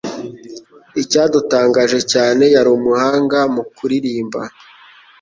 Icyadutangaje cyane, yari umuhanga mu kuririmba.